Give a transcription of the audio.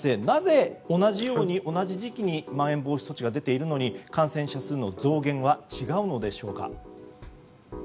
なぜ同じ時期にまん延防止措置が出ているのに感染者数の増減は違うのですか。